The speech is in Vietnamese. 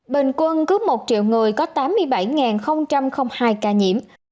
bình quân cứ một triệu người có tám mươi bảy hai ca nhiễm